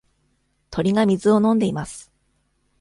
鳥が水を飲んでいます。